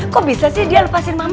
kok bisa sih dia lepasin mama